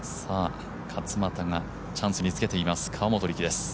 勝俣がチャンスにつけています河本力です。